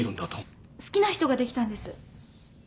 わたし好きな人ができたんです。